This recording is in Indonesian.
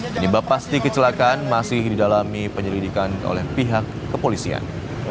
penyebab pasti kecelakaan masih didalami penyelidikan oleh pihak kepolisian